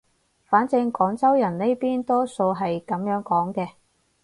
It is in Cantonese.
反正廣州人呢邊多數係噉樣講嘅